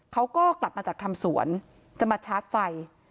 เขาก็กลับมาจากทำสวนจะมาชาร์จไฟ